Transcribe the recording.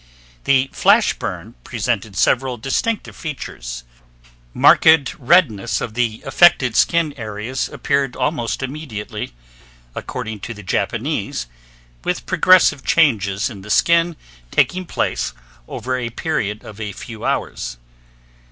The flash burn presented several distinctive features. Marked redness of the affected skin areas appeared almost immediately, according to the Japanese, with progressive changes in the skin taking place over a period of a few hours.